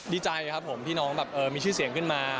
ดีใจครับผมที่น้องแบบมีชื่อเสียงขึ้นมา